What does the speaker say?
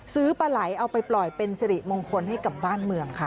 ปลาไหลเอาไปปล่อยเป็นสิริมงคลให้กับบ้านเมืองค่ะ